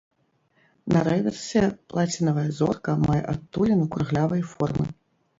На рэверсе плацінавая зорка мае адтуліну круглявай формы.